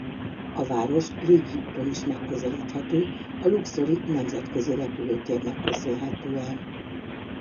A város légi úton is megközelíthető a luxori nemzetközi repülőtérnek köszönhetően.